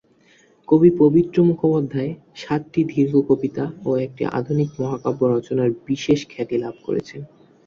কবি পবিত্র মুখোপাধ্যায় সাতটি দীর্ঘ কবিতা ও একটি আধুনিক মহাকাব্য রচনার বিশেষ খ্যাতি লাভ করেছেন।